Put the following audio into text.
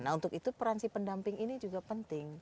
nah untuk itu peransi pendamping ini juga penting